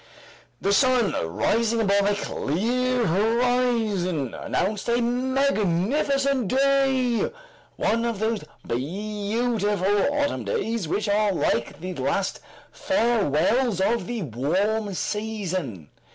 The sun rising above a clear horizon, announced a magnificent day, one of those beautiful autumn days which are like the last farewells of the warm season.